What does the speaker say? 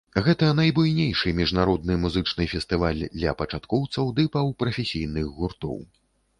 Гэта найбуйнейшы міжнародны музычны фестываль для пачаткоўцаў ды паўпрафесійных гуртоў.